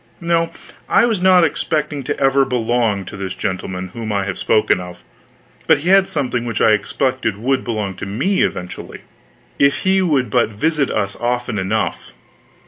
No, I was not expecting to ever belong to this gentleman whom I have spoken of, but he had something which I expected would belong to me eventually, if he would but visit us often enough.